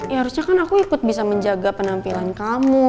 ya harusnya kan aku ikut bisa menjaga penampilan kamu